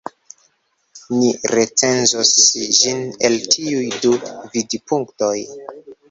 Ni recenzos ĝin el tiuj du vidpunktoj.